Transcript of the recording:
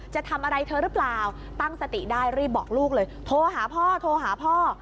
จะทำอะไรเธอหรือเปล่าตั้งสติได้รีบบอกลูกเลยโทรหาพ่อโทรหาพ่อ